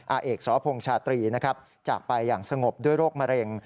อาเอกสพงศ์ชาตรีนะครับจากไปอย่างสงบด้วยโรคมะเร็ง